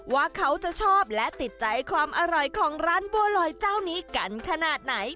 ว่าเขาจะชอบและติดใจความอร่อยของร้านบัวลอยเจ้านี้กันขนาดไหน